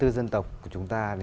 năm mươi bốn dân tộc của chúng ta